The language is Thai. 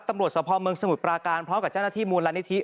ตำรวจสภเมืองสมุทรปราการพร้อมกับเจ้าหน้าที่มูลนิธิ